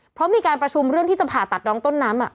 เพราะมีการประชุมเรื่องที่จะผ่าตัดน้องต้นน้ำ